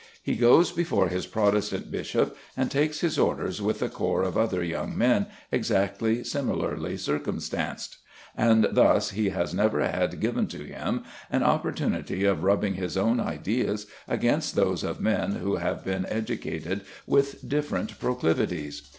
He goes before his Protestant bishop and takes his orders with a corps of other young men exactly similarly circumstanced. And thus he has never had given to him an opportunity of rubbing his own ideas against those of men who have been educated with different proclivities.